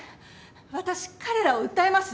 私彼らを訴えます